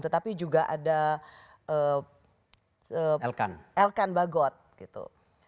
tetapi juga ada elkan bagot gitu